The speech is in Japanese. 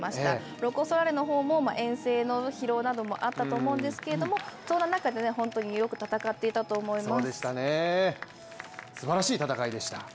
ロコ・ソラーレも遠征の疲労などもあったと思うんですけどもそんな中で、よく戦っていたと思います。